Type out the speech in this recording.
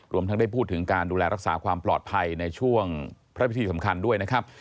รวมทั้งได้พูดถึงการดูแลรักษาความปลอดภัยในช่วงพระพิธีสำคัญด้วยนะครับ